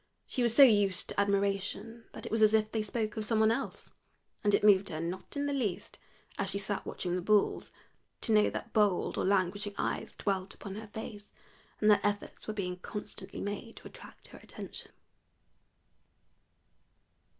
She was so used to admiration that it was as if they spoke of some one else, and it moved her not in the least, as she sat watching the bulls, to know that bold or languishing eyes dwelt upon her face, and that efforts were being constantly made to attract her attention.